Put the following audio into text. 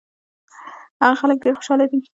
هغه خلک ډېر خوشاله دي.